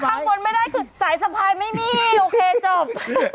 ข้างบนไม่ได้คือสายสะพายไม่มีโอเคจบ